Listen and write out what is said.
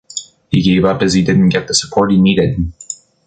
He gave up as he didn't get the support needed.